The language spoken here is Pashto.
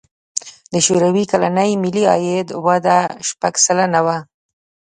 د شوروي کلني ملي عاید وده شپږ سلنه وه.